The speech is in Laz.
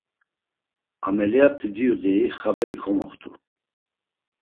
Ameliyat̆i diyu, deyi xaberi komoxt̆u.